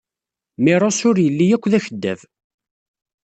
Meros ur yelli akk d akeddab.